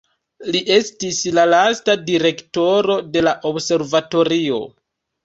Li estis la lasta direktoro de la observatorio.